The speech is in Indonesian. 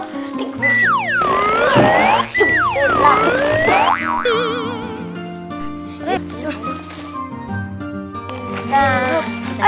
jadi harus berubah